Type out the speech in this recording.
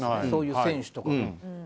そういう選手とか。